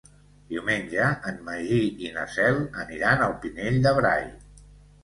Diumenge en Magí i na Cel aniran al Pinell de Brai.